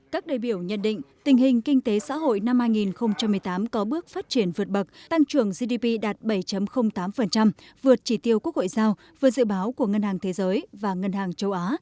các đại biểu nhận định tình hình kinh tế xã hội năm hai nghìn một mươi tám có bước phát triển vượt bậc tăng trưởng gdp đạt bảy tám vượt chỉ tiêu quốc hội giao vượt dự báo của ngân hàng thế giới và ngân hàng châu á